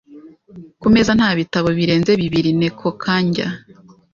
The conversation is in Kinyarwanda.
Ku meza nta bitabo birenze bibiri. (NekoKanjya)